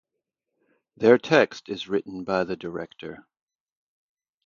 Their text is written by the Director.